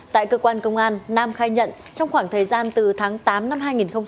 tại cơ quan công an nam khai nhận trong khoảng thời gian từ tháng tám năm hai nghìn hai mươi ba